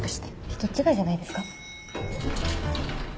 人違いじゃないですか？